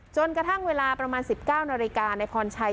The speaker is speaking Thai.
จนกระทั่งเวลาประมาณ๑๙นาฬิกานายพรชัย